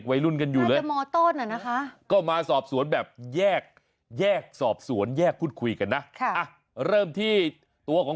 อายุแค่๑๕เองพี่ฝน